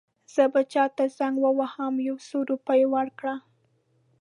زه به چاته زنګ ووهم یو څو روپۍ ورکړه.